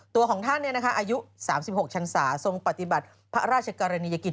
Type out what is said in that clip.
ตัวของท่านอายุ๓๖ชันศาทรงปฏิบัติพระราชกรณียกิจ